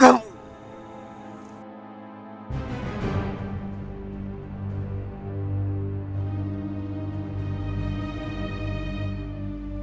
kamu bukan istriku